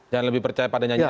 jangan lebih percaya pada nyanyi